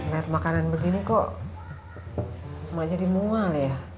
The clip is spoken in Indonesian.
lihat makanan begini kok cuma jadi mual ya